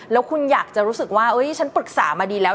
แล้วคุณอยากจะรู้สึกว่าฉันปรึกษามาดีแล้ว